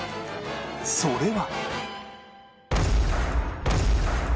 それは